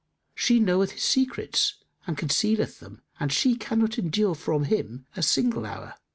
She knoweth his secrets and concealeth them and she cannot endure from him a single hour.